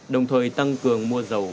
đồng thời tăng cường mua dầu